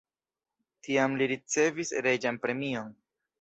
Tiam li ricevis reĝan premion.